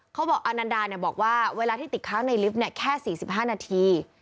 เขาบอกอนันดาบอกว่าเวลาที่ติดค้างในลิฟต์แค่๔๕นาที